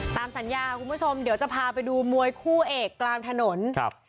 ตามสัญญาคุณผู้ชมเดี๋ยวจะพาไปดูมวยคู่เอกกลางถนนครับ